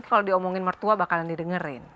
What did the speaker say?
kalau diomongin mertua bakalan didengerin